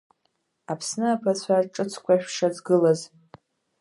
Аԥсны аԥацәа ҿыцқәа шәшазгылаз.